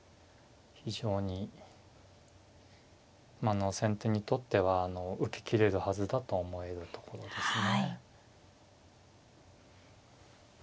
非常に先手にとっては受け切れるはずだと思えるところですね。